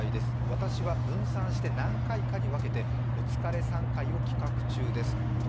私は分散して何回かに分けて、お疲れさん会を企画中です。